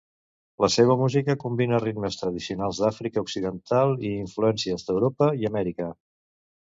La seva música combina ritmes tradicionals d'Àfrica Occidental i influències d'Europa i Amèrica.